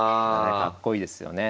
かっこいいですよね。